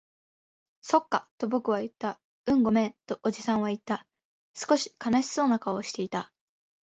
そっか、と僕は言った。うん、ごめん、とおじさんは言った。少し悲しそうな顔をしていた。